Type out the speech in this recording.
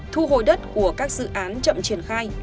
thu hồi đất của các dự án chậm triển khai